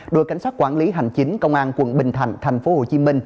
đội cảnh sát quản lý hành chính công an quận bình thạnh tp hcm